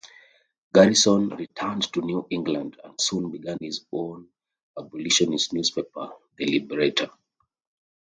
Garrison returned to New England, and soon began his own abolitionist newspaper, "The Liberator".